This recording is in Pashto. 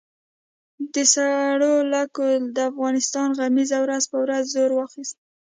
د سړو لکه د افغانستان غمیزه ورځ په ورځ زور اخیست.